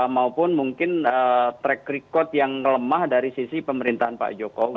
maupun mungkin track record yang lemah dari sisi pemerintahan pak jokowi